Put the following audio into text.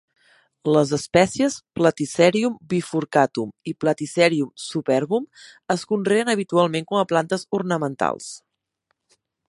Les espècies "Platycerium bifurcatum" i "Platycerium superbum" es conreen habitualment com a plantes ornamentals.